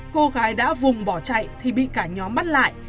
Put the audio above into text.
cô gái đã vùng bỏ chạy thì bị cả nhóm bắt lại